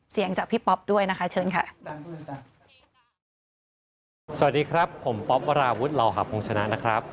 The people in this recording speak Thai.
สวัสดีครับผมป๊อบวราวุฒิรอหัวพงษณะนะครับ